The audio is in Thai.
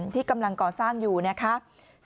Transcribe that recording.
ที่กำลังก่อสร้างอยู่นะคะ